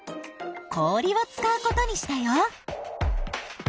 氷を使うことにしたよ。